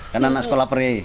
karena anak sekolah perih